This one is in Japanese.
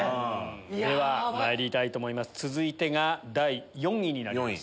ではまいりたいと思います続いてが第４位になります。